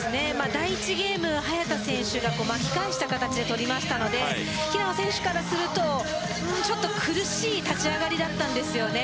第１ゲーム早田選手が巻き返した形で取りましたので平野選手からするとちょっと苦しい立ち上がりだったんですよね。